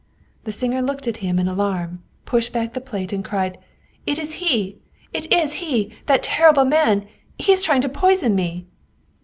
" The singer looked at him in alarm, pushed back the plate, and cried: "It is he, it is he! That terrible man! He is trying to poison me